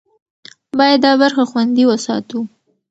باید دا برخه خوندي وساتو.